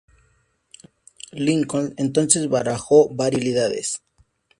Lincoln entonces barajó varias posibilidades.